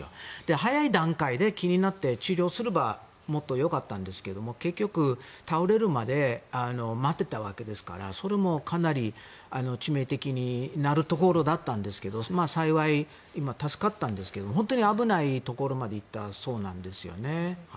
早い段階で気になって治療すればもっとよかったんですけども結局、倒れるまで待っていたわけですからそれもかなり致命的になるところだったんですが幸い今、助かったんですが本当に危ないところまで行ったそうなんですよね。